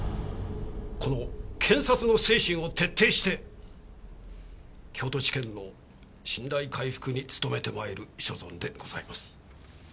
この検察の精神を徹底して京都地検の信頼回復に努めて参る所存でございます。